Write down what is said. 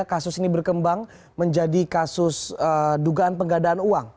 kasus ini berkembang menjadi kasus dugaan penggadaan uang